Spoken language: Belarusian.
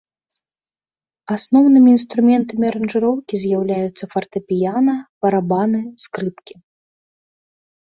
Асноўным інструментамі аранжыроўкі з'яўляюцца фартэпіяна, барабаны скрыпкі.